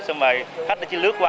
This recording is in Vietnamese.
xong rồi khách lại chỉ lướt qua